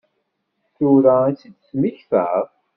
Tura i t-id-temmektaḍ?